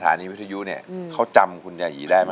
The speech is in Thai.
นางเดาเรืองหรือนางแววเดาสิ้นสดหมดสาวกลายเป็นขาวกลับมา